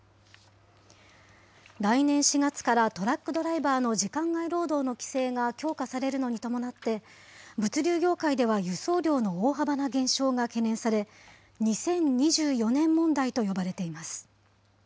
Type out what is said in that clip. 来年４月からトラックドライバーの時間外労働の規制が強化されるのに伴って、物量業界では輸送量の大幅な減少が懸念され、２０２４年問題と呼ばれています。